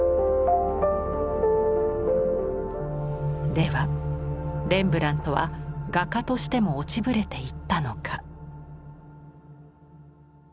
ではレンブラントは画家としても落ちぶれていったのか？